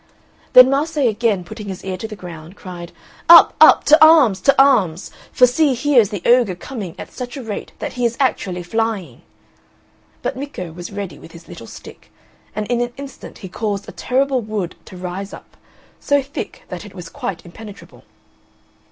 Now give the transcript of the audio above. Then Mase, again putting his ear to the ground, cried, "Up! up! to arms! to arms! For see here is the ogre coming at such a rate that he is actually flying." But Micco was ready with his little stick, and in an instant he caused a terrible wood to rise up, so thick that it was quite impenetrable.